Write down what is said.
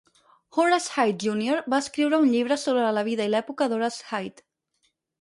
Horace Heidt júnior va escriure un llibre sobre la vida i l'època d'Horace Heidt.